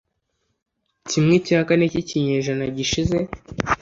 Kimwe cya kane cyikinyejana gishize